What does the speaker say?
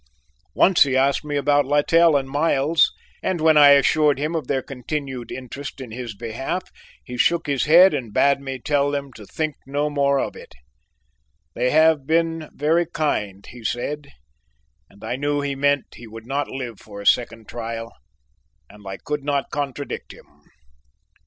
Once he asked me about Littell and Miles and when I assured him of their continued interest in his behalf he shook his head and bade me tell them to think no more of it "they have been very kind," he said and I knew he meant he would not live for a second trial, and I could not contradict him.